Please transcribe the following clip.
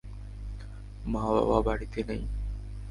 মা-বাবা বাড়িতে নেই।